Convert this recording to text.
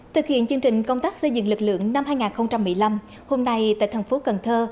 thực hiện chương trình công tác xây dựng lực lượng năm hai nghìn một mươi năm hôm nay tại thành phố cần thơ